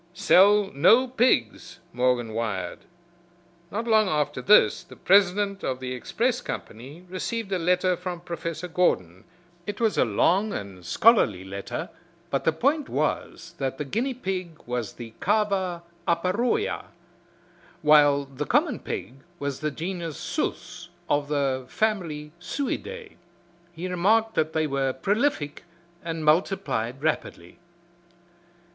"Sell no pigs," Morgan wired. Not long after this the president of the express company received a letter from Professor Gordon. It was a long and scholarly letter, but the point was that the guinea pig was the Cava aparoea while the common pig was the genius Sus of the family Suidae. He remarked that they were prolific and multiplied rapidly.